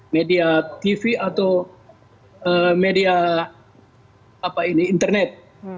media tv atau media internet